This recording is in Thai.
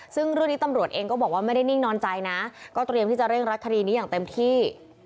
ซึ่งเรื่องนี้ตำรวจเองก็บอกว่าไม่ได้นิ่งนอนใจนะก็เตรียมที่จะเร่งรัดคดีนี้อย่างเต็มที่